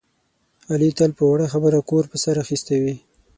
علي تل په وړه خبره کور په سر اخیستی وي.